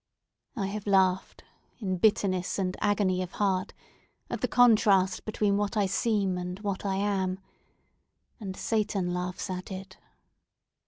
I have laughed, in bitterness and agony of heart, at the contrast between what I seem and what I am! And Satan laughs at it!"